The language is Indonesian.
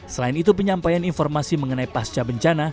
selain itu penyampaian informasi mengenai pasca bencana